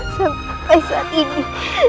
sampai saat ini